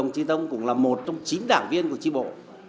chí tâm cũng là một trong chín đảng viên của chí bộ